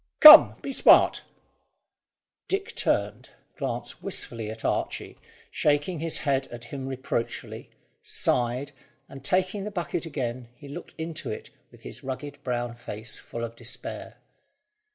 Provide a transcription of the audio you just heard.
"Come; be smart!" Dick turned, glanced wistfully at Archy, shaking his head at him reproachfully, sighed, and, taking the bucket again, he looked into it with his rugged brown face full of despair.